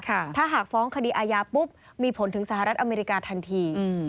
ถ้าหากฟ้องคดีอาญาปุ๊บมีผลถึงสหรัฐอเมริกาทันที